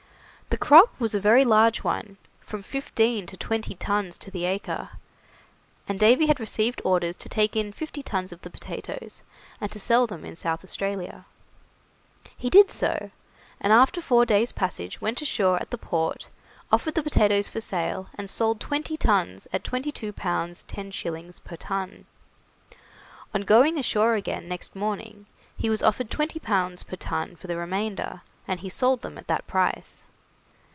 The crop was a very large one, from fifteen to twenty tons to the acre, and Davy had received orders to take in fifty tons of the potatoes, and to sell them in South Australia. He did so, and after four days' passage went ashore at the port, offered the potatoes for sale, and sold twenty tons at 22 pounds 10 shillings per ton. On going ashore again next morning, he was offered 20 pounds per ton for the remainder, and he sold them at that price.